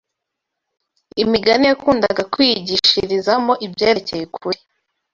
Imigani yakundaga kwigishirizamo ibyerekeye ukuri